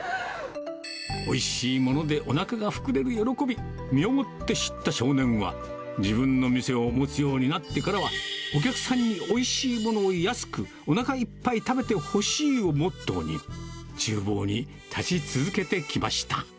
おいしいものでおなかが膨れる喜び、身をもって知った少年は、自分の店を持つようになってからは、お客さんにおいしいものを安く、おなかいっぱい食べてほしいをモットーに、ちゅう房に立ち続けてきました。